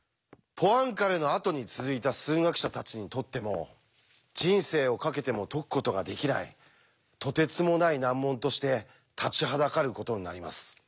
ポアンカレのあとに続いた数学者たちにとっても人生をかけても解くことができないとてつもない難問として立ちはだかることになります。